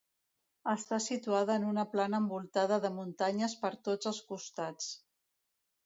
Està situada en una plana envoltada de muntanyes per tots els costats.